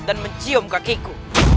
dan mencium kakiku